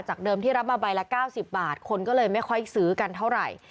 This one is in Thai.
เดิมที่รับมาใบละ๙๐บาทคนก็เลยไม่ค่อยซื้อกันเท่าไหร่